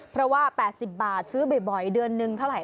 เพราะว่า๘๐บาทซื้อบ่อยเดือนหนึ่งเท่าไห